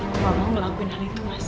aku gak mau ngelakuin hal itu mas